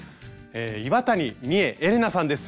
岩谷みえエレナさんです。